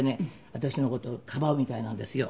私の事をかばうみたいなんですよ。